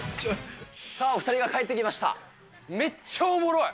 さあ、お２人が帰ってきましめっちゃおもろい。